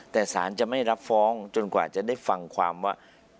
แต่สารจะไม่รับฟ้องจนกว่าจะได้ฟังความว่า